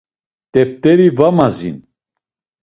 Teft̆eri va mazin.